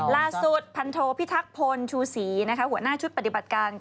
ล่าสุดพันโทพิทักพลชูศรีหัวหน้าชุดปฏิบัติการ